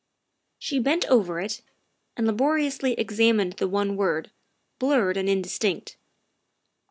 She bent over it and laboriously examined the one word, blurred and indistinct.